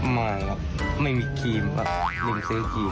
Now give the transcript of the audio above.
ไม่ครับไม่มีครีมแบบนิ้มเซ้นครีม